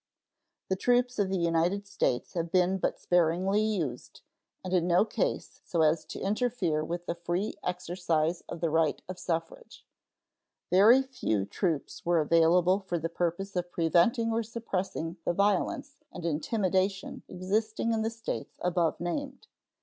The troops of the United States have been but sparingly used, and in no case so as to interfere with the free exercise of the right of suffrage. Very few troops were available for the purpose of preventing or suppressing the violence and intimidation existing in the States above named.